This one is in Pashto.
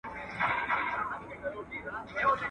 کار چي په سلا سي، بې بلا سي.